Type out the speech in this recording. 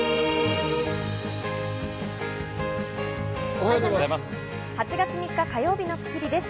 おはようございます。